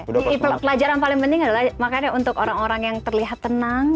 jadi pelajaran paling penting adalah makanya untuk orang orang yang terlihat tenang